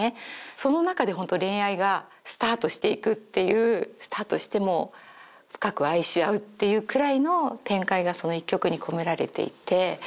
その中でホント恋愛がスタートしていくっていうスタートしてもう深く愛し合うっていうくらいの展開がその１曲に込められていて